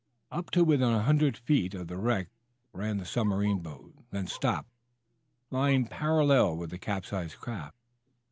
Up to within a hundred feet of the wreck ran the submarine boat, then stopped, lying parallel with the capsized craft.